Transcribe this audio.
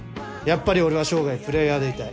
やっぱり俺は生涯プレーヤーでいたい。